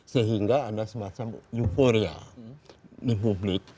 sehingga ada semacam euforia di publik